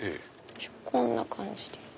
こんな感じで。